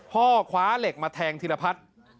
พ่อคว้าเหล็กมาแทงธิรพัฒน์